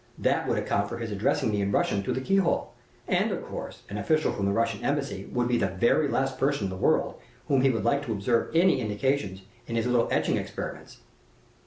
That would account for his addressing me in Russian through the key hole; and, of course, an official from the Russian Embassy would be the very last person in the world whom he would like to observe any indications of his little etching experiments.